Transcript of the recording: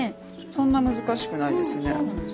そんな難しくないですね。